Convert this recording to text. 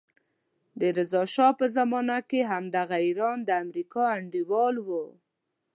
د رضا شا په زمانه کې همدغه ایران د امریکا انډیوال وو.